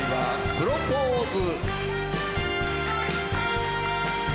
『プロポーズ』。